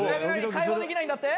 解放できないんだって？